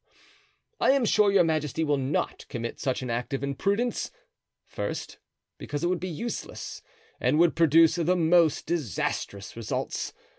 "I am sure your majesty will not commit such an act of imprudence, first, because it would be useless and would produce the most disastrous results.